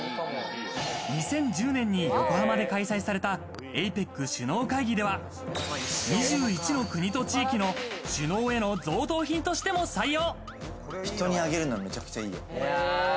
２０１０年に横浜で開催されたＡＰＥＣ首脳会議では２１の国と地域の首脳への贈答品としても採用。